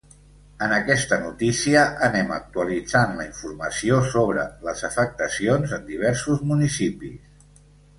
En aquesta notícia anem actualitzant la informació sobre les afectacions en diversos municipis.